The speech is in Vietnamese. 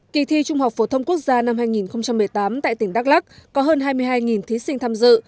kỳ thi trung học phổ thông quốc gia năm hai nghìn một mươi tám tại tỉnh đắk lắc có hơn hai mươi hai thí sinh tham dự